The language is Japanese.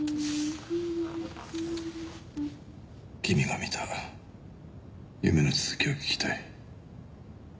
君が見た夢の続きを聞きたい。